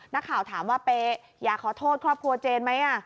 นักข่าวถามว่าเป๊อยากขอโทษครอบครัวเจนไหม